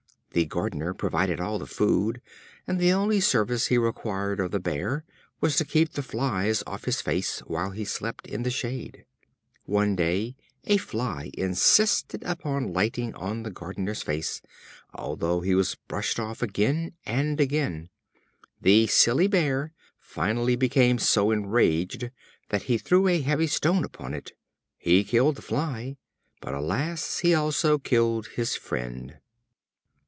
The Gardener provided all the food, and the only service he required of the Bear was to keep the flies off his face while he slept in the shade. One day, a fly insisted upon lighting on the Gardener's face, although he was brushed off again and again. The silly Bear finally became so enraged that he threw a heavy stone upon it. He killed the fly, but, alas! he also killed his friend.